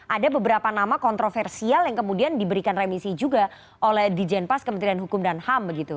ada beberapa nama kontroversial yang kemudian diberikan remisi juga oleh dijenpas kementerian hukum dan ham